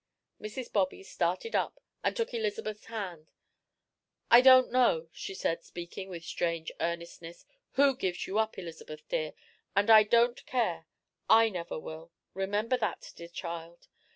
Mrs. Bobby started up and took Elizabeth's hand. "I don't know," she said, speaking with strange earnestness, "who gives you up, Elizabeth dear, and I don't care. I never will. Remember that, dear child.